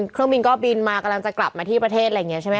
เครื่องบินก็บินมากำลังจะกลับมาที่ประเทศใช่ไหมคะ